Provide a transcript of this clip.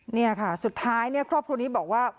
นี่ค่ะสุดท้ายเนี่ยครอบครัวนี้บอกว่า